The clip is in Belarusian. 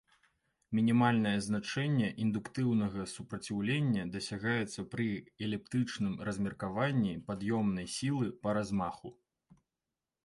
Мінімальнае значэнне індуктыўнага супраціўлення дасягаецца пры эліптычным размеркаванні пад'ёмнай сілы па размаху.